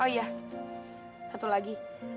oh iya satu lagi